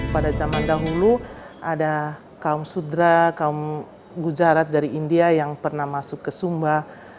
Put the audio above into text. pada zaman dahulu ada kaum sudra kaum guzarat dari india yang pernah masuk ke sumba